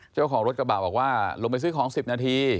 เจ้าของรถกระบะบอกว่าลงไปซื้อของ๑๐นาที